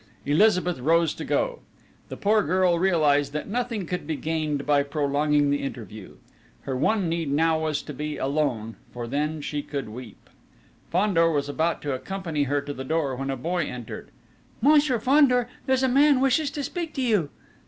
Elizabeth rose to go. The poor girl realised that nothing could be gained by prolonging the interview. Her one need now was to be alone, for then she could weep. Fandor was about to accompany her to the door, when a boy entered: "Monsieur Fandor, there's a man wishes to speak to you!"